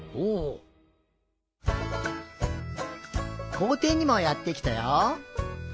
こうていにもやってきたよ。